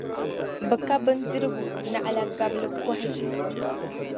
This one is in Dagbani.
Bɛ ka bindirgu naɣila gabligɔhi.